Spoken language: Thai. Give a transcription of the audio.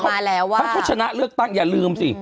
ถ้าเขาชนะเลือกตั้งอย่าลืมสิ